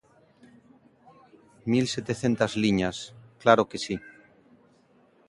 Mil setecentas liñas, claro que si.